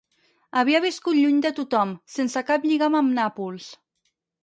Havia viscut lluny de tothom, sense cap lligam amb Nàpols.